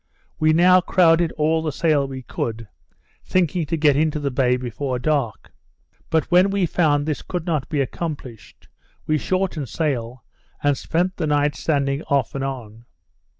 We now crowded all the sail we could, thinking to get into the bay before dark. But when we found this could not be accomplished, we shortened sail, and spent the night standing off and on.